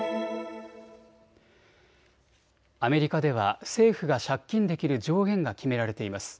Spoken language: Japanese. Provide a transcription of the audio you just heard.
アメリカでは政府が借金できる上限が決められています。